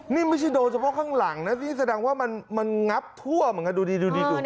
นี่ไม่ใช่โดนเฉพาะข้างหลังนะที่แสดงว่ามันงับทั่วเหมือนกันดูดีดู